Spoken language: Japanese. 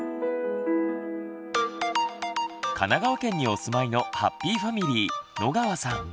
神奈川県にお住まいのハッピーファミリー野川さん。